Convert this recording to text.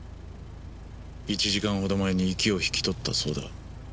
１時間ほど前に息を引き取ったそうだ。